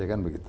ya kan begitu